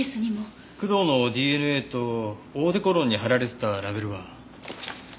工藤のＤＮＡとオーデコロンに貼られていたラベルは？